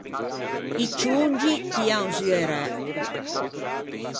I ciongi tian zu e ræ.